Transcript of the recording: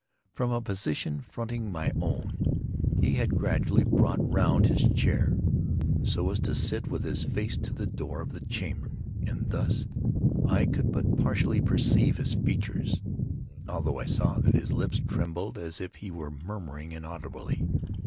From a position fronting my own, he had gradually brought round his chair, so as to sit with his face to the door of the chamber; and thus I could but partially perceive his features, although I saw that his lips trembled as if he were murmuring inaudibly.